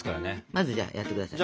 まずじゃあやって下さい。